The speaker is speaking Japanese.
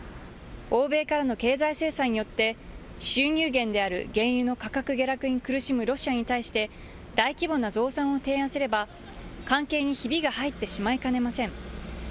欧米からの経済制裁によって、収入源である原油の価格下落に苦しむロシアに対して、大規模な増産を提案すれば、関係にひびが入ってしまいかねません。